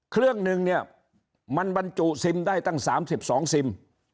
เครื่องหนึ่งเนี่ยมันบรรจุซิมได้ตั้ง๓๒ซิม